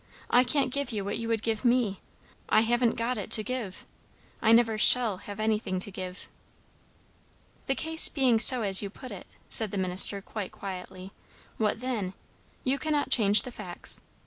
I can't give you what you would give me; I haven't got it to give. I never shall have anything to give." "The case being so as you put it," said the minister quite quietly, "what then? You cannot change the facts.